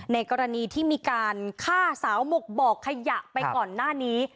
ในกรณีที่มีการฆ่าสาวหมกบอกขยะไปก่อนหน้านี้